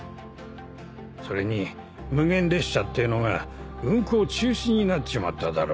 それに無限列車ってえのが運行中止になっちまっただろ。